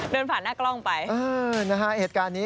เดินผ่านหน้ากล้องไป